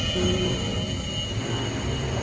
พี่ปุ๊ย